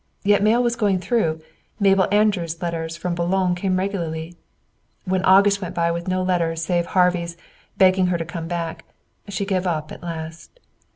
Yet mail was going through. Mabel Andrews' letters from Boulogne came regularly. When August went by, with no letters save Harvey's, begging her to come back, she gave up at last.